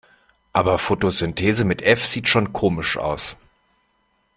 Aber Fotosynthese mit F sieht schon komisch aus.